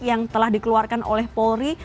yang telah dikeluarkan oleh polri